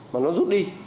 mà nó rút đi